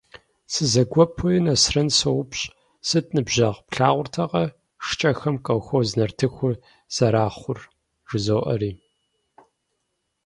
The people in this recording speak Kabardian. Сызэгуэпуи Нэсрэн соупщӏ:- Сыт, ныбжьэгъу, плъагъуртэкъэ шкӏэхэм колхоз нартыхур зэрахъур? - жызоӏэри.